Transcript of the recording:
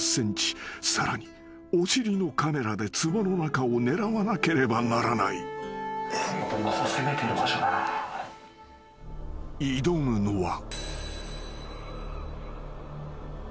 ［さらにお尻のカメラでつぼの中を狙わなければならない］［挑むのは］